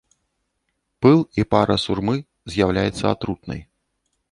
Пыл і пара сурмы з'яўляецца атрутнай.